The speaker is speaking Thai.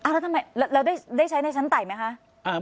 แล้วทำไมเราได้ใช้ในชั้นไต่ไหมคะ